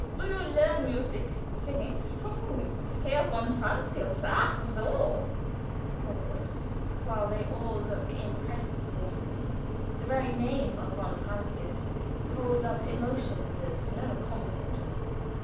"Do you learn music? singing? From whom? Herr von Francius? Ach, so!" (Pause, while they all look impressively at me. The very name of von Francius calls up emotions of no common order.)